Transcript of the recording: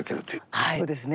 はいそうですね。